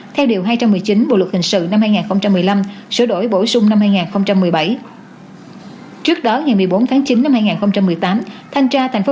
theo điều hai trăm một mươi chín bộ luật hành